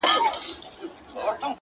حجره سته طالب یې نسته؛